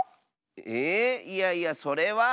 えいえいやそれは。